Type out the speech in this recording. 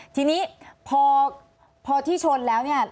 ทีนี้พอที่ชนแล้วเนี่ย